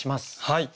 はい。